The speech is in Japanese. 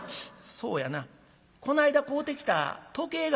「そうやなこないだ買うてきた時計があったやろ」。